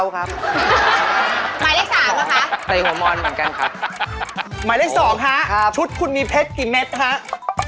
ชุดคุณมีเพชรกี่เม็ดครับ